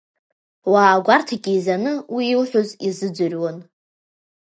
Уаа гәарҭак еизаны уи илҳәоз иазыӡырҩуан.